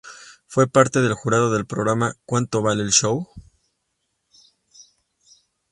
Fue parte del jurado del programa "¿Cuánto vale el show?